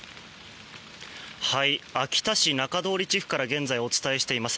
秋田市中通地区から現在、お伝えしております。